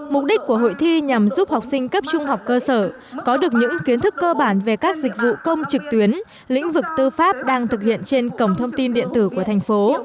mục đích của hội thi nhằm giúp học sinh cấp trung học cơ sở có được những kiến thức cơ bản về các dịch vụ công trực tuyến lĩnh vực tư pháp đang thực hiện trên cổng thông tin điện tử của thành phố